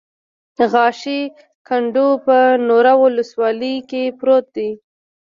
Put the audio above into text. غاښی کنډو په منوره ولسوالۍ کې پروت دی